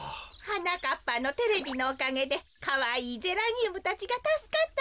はなかっぱのテレビのおかげでかわいいゼラニュームたちがたすかったよ。